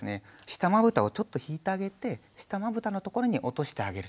下まぶたをちょっと引いてあげて下まぶたのところに落としてあげる。